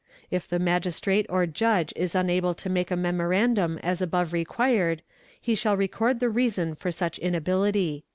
If the Magistrate or Judge is unable to make a memorandum as above required, he shall record the reason of such inability."